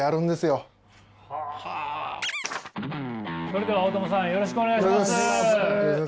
それでは大友さんよろしくお願いします。